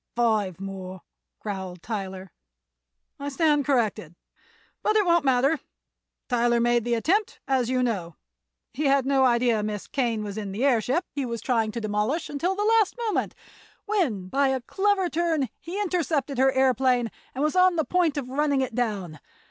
"Five more," growled Tyler. "I stand corrected; but it won't matter. Tyler made the attempt, as you know. He had no idea Miss Kane was in the airship he was trying to demolish until the last moment, when by a clever turn he intercepted her aëroplane and was on the point of running it down.